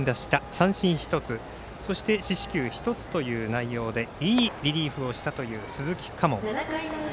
三振１つ四死球１つという内容でいいリリーフをしたという鈴木佳門。